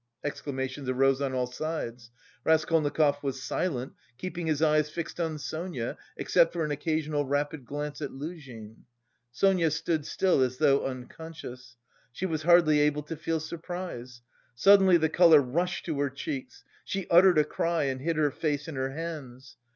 Exclamations arose on all sides. Raskolnikov was silent, keeping his eyes fixed on Sonia, except for an occasional rapid glance at Luzhin. Sonia stood still, as though unconscious. She was hardly able to feel surprise. Suddenly the colour rushed to her cheeks; she uttered a cry and hid her face in her hands.